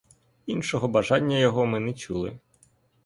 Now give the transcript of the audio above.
Іншого бажання його ми не чули.